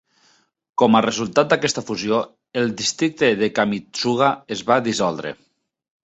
Com a resultat d'aquesta fusió, el districte de Kamitsuga es va dissoldre.